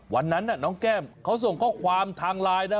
วันนั้นน้องแก้มเขาส่งข้อความทางไลน์นะ